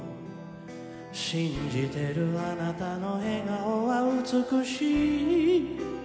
「信じてるあなたの笑顔は美しい」